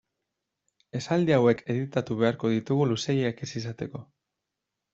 Esaldi hauek editatu beharko ditugu luzeegiak ez izateko.